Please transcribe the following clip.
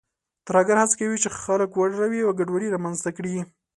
ترهګر هڅه کوي چې خلک وډاروي او ګډوډي رامنځته کړي.